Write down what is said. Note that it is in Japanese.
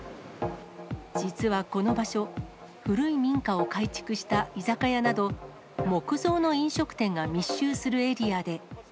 実はこの場所、古い民家を改築した居酒屋など、木造の飲食店が密集するエリアで。